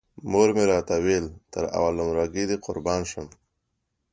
مور مې راته ویل تر اول نمره ګۍ دې قربان شم.